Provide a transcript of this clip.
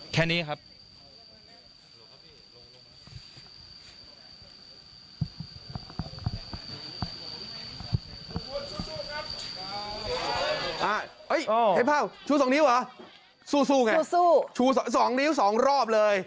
สู้สู้ไงสู้สู้สองนิ้วสองรอบเลย